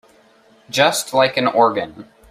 Just like an organ.